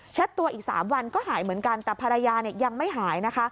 ตัวอีก๓วันก็หายเหมือนกันแต่ภรรยายังไม่หายนะคะ